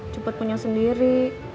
cepat punya sendiri